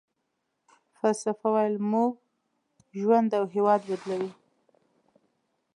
فلسفه ويل مو ژوند او هېواد بدلوي.